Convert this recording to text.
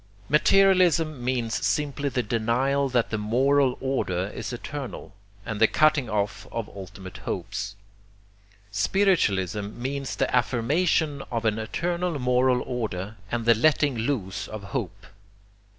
Materialism means simply the denial that the moral order is eternal, and the cutting off of ultimate hopes; spiritualism means the affirmation of an eternal moral order and the letting loose of hope.